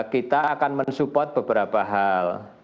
kita akan mensupport beberapa hal